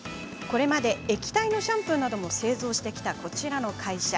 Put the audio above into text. これまで液体のシャンプーなども製造してきた、この会社。